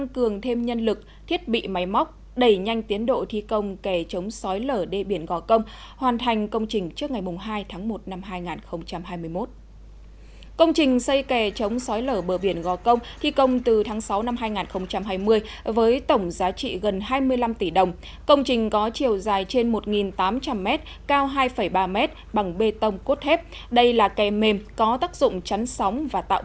công trình xây kẻ chống sói lở bờ biển gò công thi công từ tháng sáu năm hai nghìn hai mươi với tổng giá trị gần hai mươi năm tỷ đồng